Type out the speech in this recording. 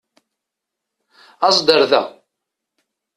Aẓ-d ar da!